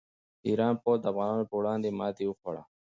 د ایران پوځ د افغانانو په وړاندې ماته وخوړه.